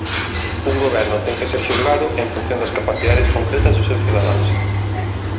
Un goberno ten que ser xulgado en función das capacidades concretas dos seus cidadáns.